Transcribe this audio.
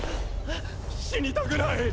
死にたくない！